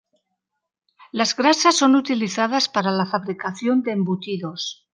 Las grasas son utilizadas para la fabricación de embutidos.